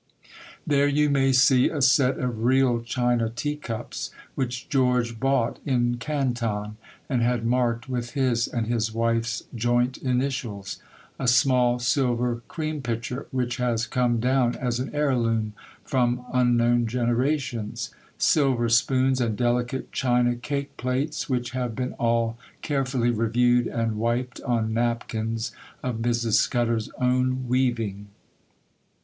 There you may see a set of real China teacups, which George bought in Canton, and had marked with his and his wife's joint initials,—a small silver cream pitcher, which has come down as an heirloom from unknown generations,—silver spoons and delicate China cake plates, which have been all carefully reviewed and wiped on napkins of Mrs. Scudder's own weaving.